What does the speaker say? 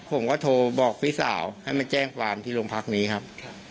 ผมก็โทรบอกพี่สาวให้มาแจ้งความที่โรงพักนี้ครับ